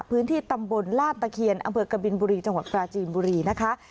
พื้นที่ตำบลลาดตะเคียนอำเภอกบินบุรีจังหวัดปราจีนบุรีนะคะ